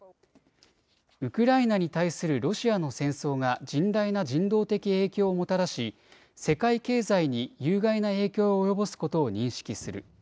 ウクライナに対するロシアの戦争が甚大な人道的影響をもたらし世界経済に有害な影響を及ぼすことを認識する。